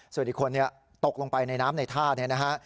ส่วนอีกคนตกลงไปในน้ำในท่าเนี่ยนะฮะ